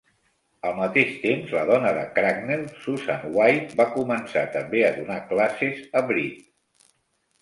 Al mateix temps la dona de Cracknell, Susan White, va començar també a donar classes a Brite.